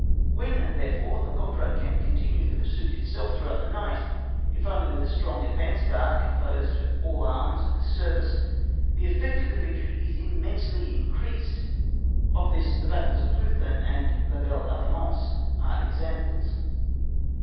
When, therefore, the conqueror can continue the pursuit itself throughout the night, if only with a strong advance guard composed of all arms of the service, the effect of the victory is immensely increased, of this the battles of Leuthen and La Belle Alliance(*) are examples.